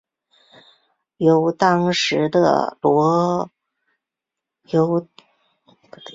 由当时的暹罗君主拉玛四世命名。